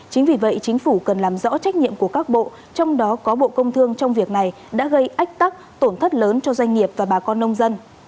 chính vì vậy chính phủ cần làm rõ trách nhiệm của các bộ trong đó có bộ công thương trong việc này đã gây ách tắc tổn thất lớn cho doanh nghiệp và bà con nông dân